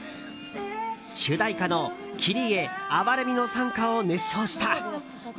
主題歌の「キリエ・憐れみの讃歌」を熱唱した。